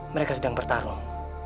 mereka sedang bertarung